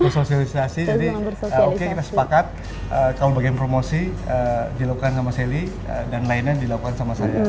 bersosialisasi jadi oke kita sepakat kalau bagian promosi dilakukan sama selly dan lain lain dilakukan sama saya